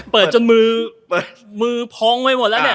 จนมือมือพองไว้หมดแล้วเนี่ย